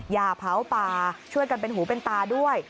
อย่าเผาป่าช่วยกันเป็นหูเป็นตาด้วย